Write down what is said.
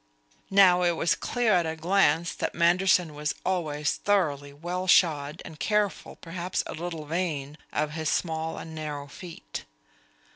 Now it was clear at a glance that Manderson was always thoroughly well shod and careful, perhaps a little vain, of his small and narrow feet.